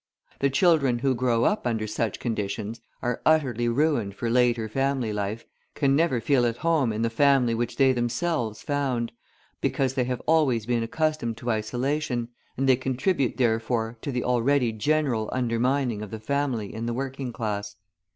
The children who grow up under such conditions are utterly ruined for later family life, can never feel at home in the family which they themselves found, because they have always been accustomed to isolation, and they contribute therefore to the already general undermining of the family in the working class.